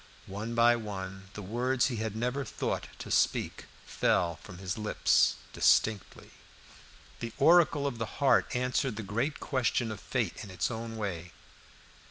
One by one, the words he had never thought to speak fell from his lips, distinctly; the oracle of the heart answered the great question of fate in its own way.